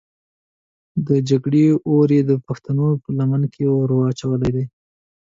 د جګړې اور یې د پښتنو په لمن کې ور اچولی دی.